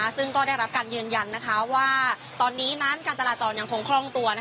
ซึ่งก็ได้รับการยืนยันว่าตอนนี้นั้นการจราจรยังคงคล่องตัว